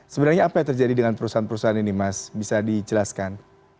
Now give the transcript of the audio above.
sebenarnya apa yang terjadi dengan perusahaan perusahaan ini mas bisa dijelaskan